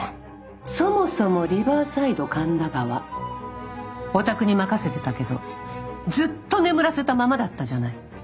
そもそもリバーサイド神田川おたくに任せてたけどずっと眠らせたままだったじゃない。